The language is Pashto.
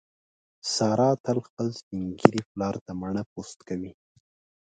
ساره تل خپل سپین ږیري پلار ته مڼه پوست کوي.